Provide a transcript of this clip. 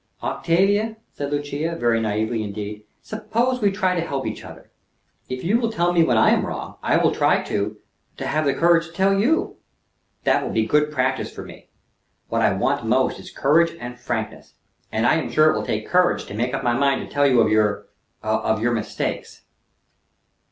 "Octavia," said Lucia, very naively indeed, "suppose we try to help each other. If you will tell me when I am wrong, I will try to to have the courage to tell you. That will be good practice for me. What I want most is courage and frankness, and I am sure it will take courage to make up my mind to tell you of your of your mistakes."